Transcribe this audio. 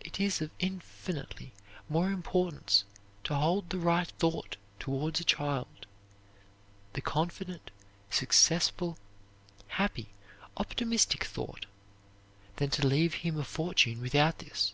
It is of infinitely more importance to hold the right thought towards a child, the confident, successful, happy, optimistic thought, than to leave him a fortune without this.